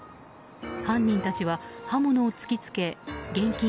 犯人たちは刃物を突き付け現金